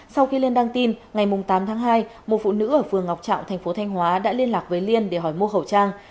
sau khi lên đăng tin ngày tám tháng hai một phụ nữ ở phường ngọc trạo thành phố thanh hóa đã liên lạc với liên để hỏi mua khẩu trang